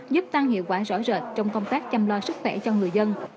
giúp tăng hiệu quả rõ rệt trong công tác chăm lo sức khỏe cho người dân